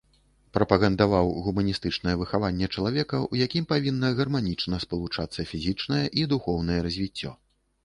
Прапагандаваў гуманістычнае выхаванне чалавека, у якім павінна гарманічна спалучацца фізічнае і духоўнае развіццё.